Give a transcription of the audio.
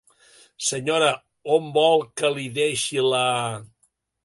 Senyora, on vol que li deixi la...?